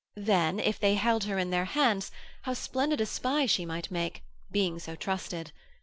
Then, if they held her in their hands, how splendid a spy she might make, being so trusted!